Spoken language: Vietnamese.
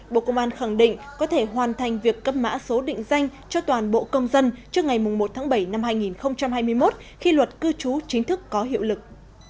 bộ công an khẳng định có thể hoàn thành việc cấp mã số định danh cho toàn bộ công dân trước ngày một tháng bảy năm hai nghìn hai mươi một khi luật cư trú chính thức có hiệu lực